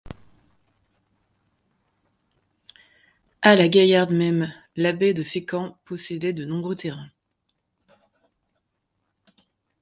A la Gaillarde même, l’abbaye de Fécamp possédait de nombreux terrains.